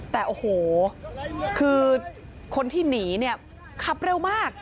แต่โอ้โหคือคนที่หนีเนี่ยขับเร็วมาก